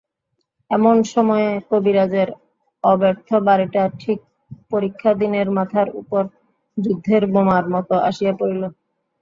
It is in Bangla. এমন সময়ে কবিরাজের অব্যর্থ বড়িটা ঠিক পরীক্ষাদিনের মাথার উপর যুদ্ধের বোমার মতো আসিয়া পড়িল।